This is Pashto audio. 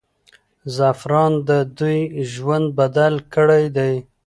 زعفران د دوی ژوند بدل کړی دی.